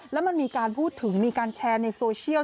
แล้วมันมีการพูดถึงมีการแชร์ในโซเชียล